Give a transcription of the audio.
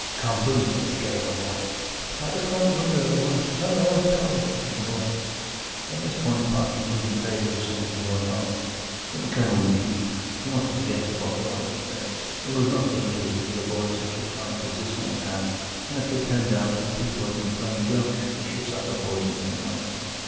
"Come, pull yourself together, my boy." "The front winder it was, at the 'otel," said the boy. At this point Parkins was in favour of sending the boy home, but the Colonel refused; he wanted to get to the bottom of it, he said; it was most dangerous to give a boy such a fright as this one had had, and if it turned out that people had been playing jokes, they should suffer for it in some way.